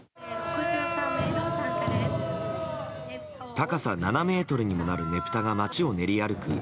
高さ７ｍにもなるねぷたが街を練り歩く